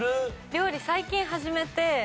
料理最近始めて私